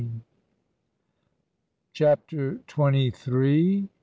CHAPTER TWENTY THREE.